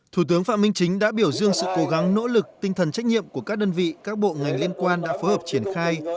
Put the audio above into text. thủ tướng phạm minh chính đã biểu dương sự cố gắng nỗ lực tinh thần trách nhiệm của các đơn vị các bộ ngành liên quan đã phối hợp triển khai